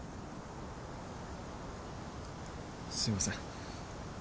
すいません。